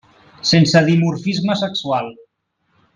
Sense dimorfisme sexual.